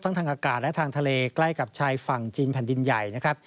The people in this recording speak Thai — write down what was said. ทางอากาศและทางทะเลใกล้กับชายฝั่งจีนแผ่นดินใหญ่นะครับ